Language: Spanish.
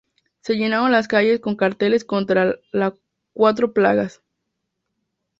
Se llenaron las calles con carteles contra la Cuatro Plagas.